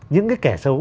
những cái kẻ xấu